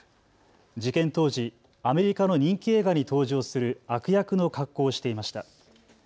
事件当時、アメリカの人気映画に登場する悪役の格好していました。